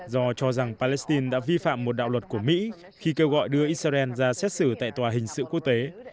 do cho rằng palestine đã vi phạm một đạo luật của mỹ khi kêu gọi đưa israel ra xét xử tại tòa hình sự quốc tế